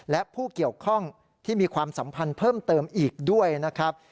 และผู้เกี่ยวข้องที่มีความสัมพันธ์เพิ่มเติมอีกด้วยนะครับ